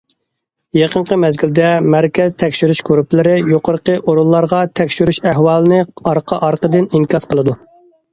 يېقىنقى مەزگىلدە، مەركەز تەكشۈرۈش گۇرۇپپىلىرى يۇقىرىقى ئورۇنلارغا تەكشۈرۈش ئەھۋالىنى ئارقا- ئارقىدىن ئىنكاس قىلىدۇ.